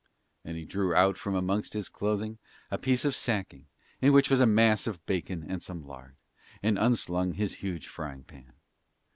And he drew out from amongst his clothing a piece of sacking in which was a mass of bacon and some lard, and unslung his huge frying pan.